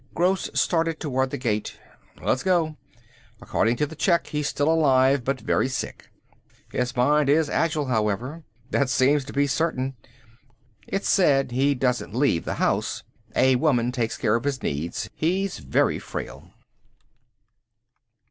Gross started toward the gate. "Let's go. According to the check he's still alive, but very sick. His mind is agile, however. That seems to be certain. It's said he doesn't leave the house. A woman takes care of his needs. He's very frail."